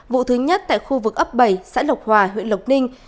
vụ thứ nhất tại khu vực ấp bảy xã lộc hòa huyện lộc ninh